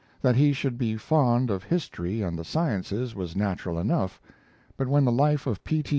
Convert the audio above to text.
That he should be fond of history and the sciences was natural enough, but when the Life of P. T.